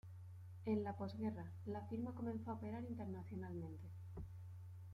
En la pos-guerra, la firma comenzó a operar internacionalmente.